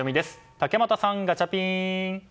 竹俣さん、ガチャピン！